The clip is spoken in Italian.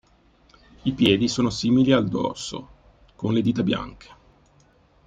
I piedi sono simili al dorso, con le dita bianche.